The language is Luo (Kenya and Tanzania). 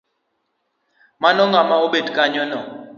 Mano ngama obet kanyono.